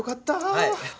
はい。